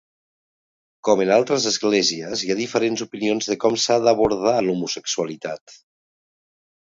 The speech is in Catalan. Com en altres esglésies hi ha diferents opinions de com s'ha d'abordar l'homosexualitat.